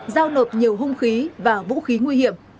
giao nộp nhiều hung khí và vũ khí nguy hiểm